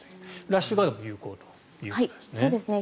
ラッシュガードも有効だということですね。